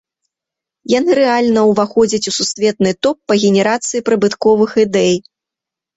Яны рэальна ўваходзяць у сусветны топ па генерацыі прыбытковых ідэй.